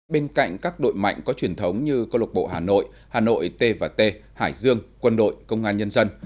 bên cạnh các đội mạnh có truyền thống như câu lộc bộ hà nội hà nội t t hải dương quân đội công an nhân dân